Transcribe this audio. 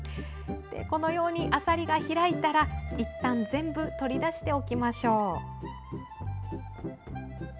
あさりが開いてきたらいったん全部取り出しておきましょう。